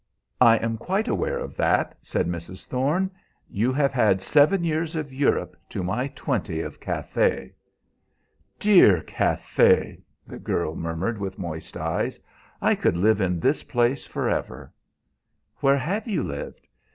"I am quite aware of that," said Mrs. Thorne. "You have had seven years of Europe to my twenty of Cathay." "Dear Cathay!" the girl murmured, with moist eyes; "I could live in this place forever." "Where have you lived?